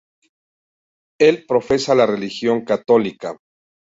Él profesa la religión católica.